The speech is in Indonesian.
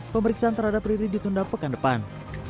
pemeriksaan terhadap riri ditunda pekan depan